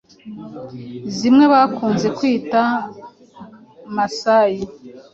zimwe bakunze kwita masayi